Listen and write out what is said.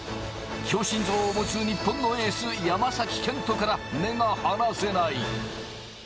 強心臓を持つ日本のエース・山崎賢人から目が離せない。